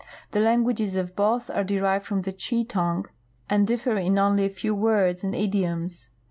The languages of both are derived from the Tshi tongue and differ in only a few words and idioms.